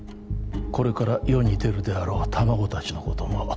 これから世に出るであろう卵達のことも